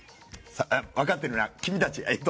分かってるな、君たち。